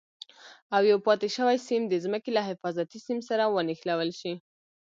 او یو پاتې شوی سیم د ځمکې له حفاظتي سیم سره ونښلول شي.